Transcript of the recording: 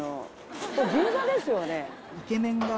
ここ銀座ですよね？